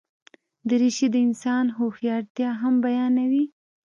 دریشي د انسان هوښیارتیا هم بیانوي.